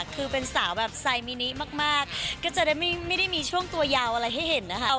คือเป็นสาวแบบไซมินิมากก็จะได้ไม่ได้มีช่วงตัวยาวอะไรให้เห็นนะคะ